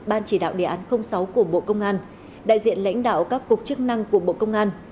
ban chỉ đạo đề án sáu của bộ công an đại diện lãnh đạo các cuộc chức năng của bộ công an